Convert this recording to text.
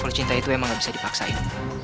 kalau cinta itu emang gak bisa dipaksain